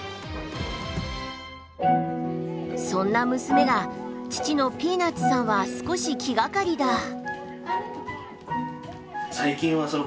そんな娘が父のピーナッツさんは少し気がかりだ。